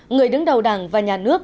người đứng đầu đảng và nhà nước